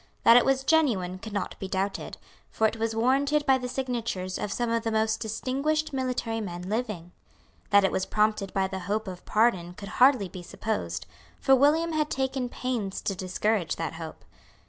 That it was genuine could not be doubted; for it was warranted by the signatures of some of the most distinguished military men living. That it was prompted by the hope of pardon could hardly be supposed; for William had taken pains to discourage that hope.